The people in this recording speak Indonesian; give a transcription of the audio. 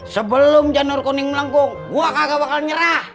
sebelum janur kuning melengkung gue kagak bakal nyerah